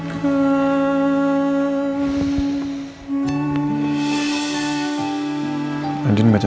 tuh lo yang nyesel